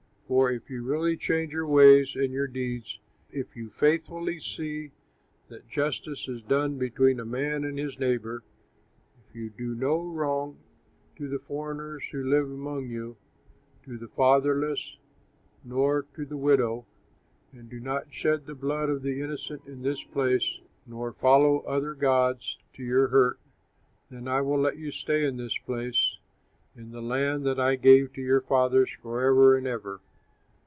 For if you really change your ways and your deeds, if you faithfully see that justice is done between a man and his neighbor, if you do no wrong to the foreigners who live among you, to the fatherless nor to the widow, and do not shed the blood of the innocent in this place nor follow other gods to your hurt, then I will let you stay in this place, in the land that I gave to your fathers, forever and ever.